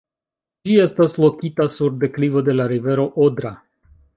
Ĝi estas lokita sur deklivo de la rivero Odra.